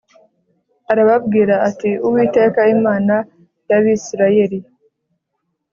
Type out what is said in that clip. arababwira ati uwiteka imana y abisirayeli